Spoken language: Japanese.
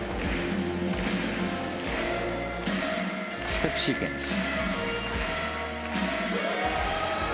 ステップシークエンス。